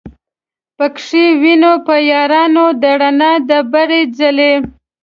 پکښی وینو به یارانو د رڼا د بري څلی